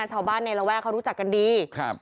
ชาวบ้านในระแวกเขารู้จักกันดีครับ